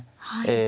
え